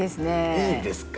いいですか？